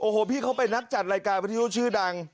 พอพี่เข้าไปนักจัดรายการพัฒนีชื่อดัง